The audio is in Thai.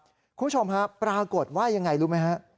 คุณผู้ชมฮะปรากฏว่ายังไงรู้ไหมฮะ